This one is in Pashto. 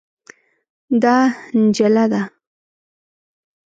دا نجله ده.